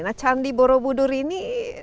nah candi borobudur ini